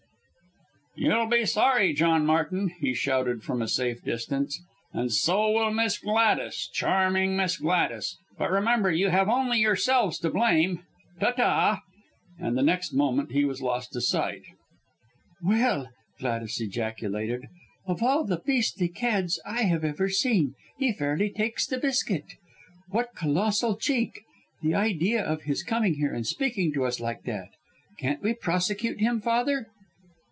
"You'll be sorry, John Martin!" he shouted from a safe distance, "and so will Miss Gladys, charming Miss Gladys. But remember you have only yourselves to blame. Ta ta!", and the next moment he was lost to sight. "Well!" Gladys ejaculated, "of all the beastly cads I have ever seen he fairly takes the biscuit. What colossal cheek! The idea of his coming here and speaking to us like that! Can't we prosecute him, Father?"